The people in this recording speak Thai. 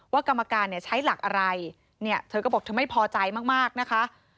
กรรมการเนี่ยใช้หลักอะไรเนี่ยเธอก็บอกเธอไม่พอใจมากนะคะ